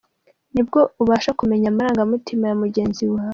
Nibwo ubasha kumenya amarangamutima ya mugenzi wawe.